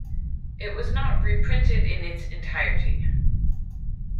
It was not reprinted in its entirety.